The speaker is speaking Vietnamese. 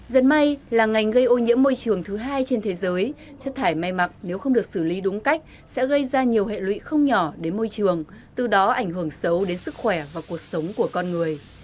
giật may là ngành gây ô nhiễm môi trường thứ hai trên thế giới chất thải may mặc nếu không được xử lý đúng cách sẽ gây ra nhiều hệ lụy không nhỏ đến môi trường từ đó ảnh hưởng xấu đến sức khỏe và cuộc sống của con người